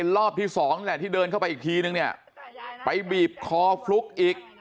รอบที่สองแหละที่เดินเข้าไปอีกทีนึงเนี่ยไปบีบคอฟลุ๊กอีก